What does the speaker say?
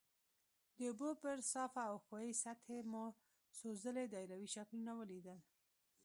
د اوبو پر صافه او ښویې سطحې مو څو ځلې دایروي شکلونه ولیدل.